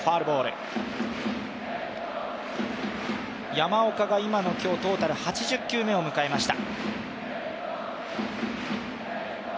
山岡が今のでトータル８０球目を迎えました。